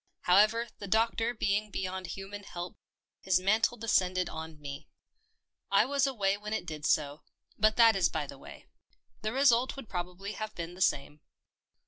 However, the doctor being beyond human help, his mantle descended on me. I was away when it did so — but that is by the THE PEPNOTISED MILK 153 way. The result would probably have been the same.